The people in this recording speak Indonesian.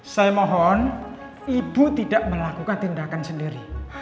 saya mohon ibu tidak melakukan tindakan sendiri